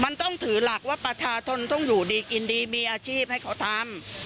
มันต้องถือหลักว่าประชาชนต้องอยู่ดีกินดีมีอาชีพให้เขาทำ